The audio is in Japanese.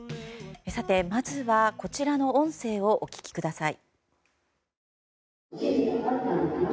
さて、まずはこちらの音声をお聞きください。